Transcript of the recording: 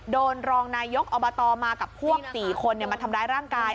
รองนายกอบตมากับพวก๔คนมาทำร้ายร่างกาย